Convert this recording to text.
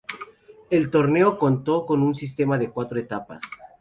El torneo contó con un sistema de cuatro etapas.